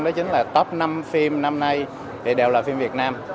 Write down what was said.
đó chính là top năm phim năm nay thì đều là phim việt nam